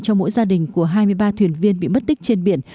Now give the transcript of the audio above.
cho mỗi gia đình của hai mươi ba thuyền viên bị mất tích trên biển